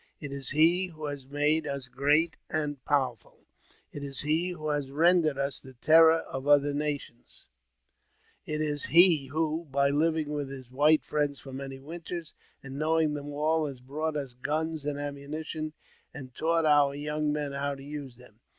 It is he who has made us great and powerful ; it is he who has rendered us the terror of other nations ; it is he who, by living with his white friends for many winters, and knowing them all, has brought us guns and ammunition, and taught our young men how to use them.